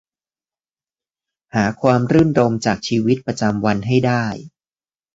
หาความรื่นรมย์จากชีวิตประจำวันให้ได้